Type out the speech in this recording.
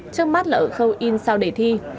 trước mắt là ở khâu in sao đề thi